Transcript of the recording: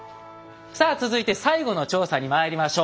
さあ続いて最後の調査にまいりましょう。